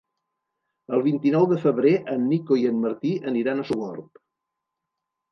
El vint-i-nou de febrer en Nico i en Martí aniran a Sogorb.